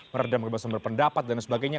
meredam kebiasaan pendapat dan sebagainya